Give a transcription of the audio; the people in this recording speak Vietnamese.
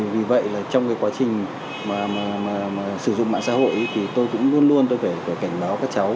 vì vậy là trong cái quá trình mà sử dụng mạng xã hội thì tôi cũng luôn luôn tôi phải cảnh báo các cháu